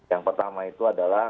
yang pertama itu adalah